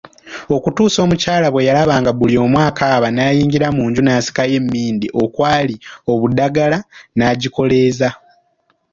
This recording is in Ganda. okutuusa omukyala bwe yalaba nga buli omu akaaba nayingira mu nju nasikayo emmindi okwali obudaagala nagikoleeza.